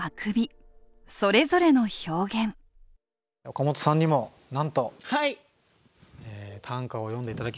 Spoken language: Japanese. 岡本さんにもなんと短歌を詠んで頂きました。